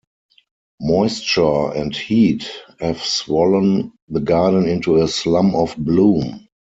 Moisture and heat have swollen the garden into a slum of bloom.